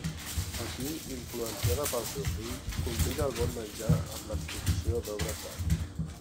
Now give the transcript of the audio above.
Aquí, influenciada pel seu fill, combina el bon menjar amb l'exposició d'obres d'art.